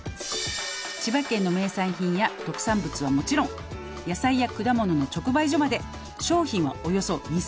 「千葉県の名産品や特産物はもちろん」「野菜や果物の直売所まで」